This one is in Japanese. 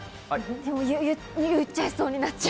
でも言っちゃいそうになっちゃう。